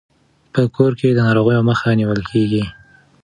په کور کې د ناروغیو مخه نیول کیږي.